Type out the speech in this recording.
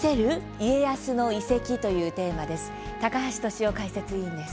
家康の遺跡」というテーマです。